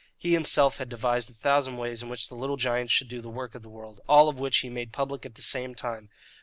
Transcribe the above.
He himself had devised a thousand ways in which the little giant should do the work of the world all of which he made public at the same time.